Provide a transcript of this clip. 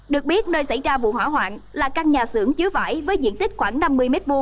được biết nơi xảy ra vụ hỏa hoạn là căn nhà xưởng chứa vải với diện tích khoảng năm mươi m hai